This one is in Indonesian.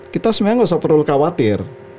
kita sebenarnya gak usah perlu khawatir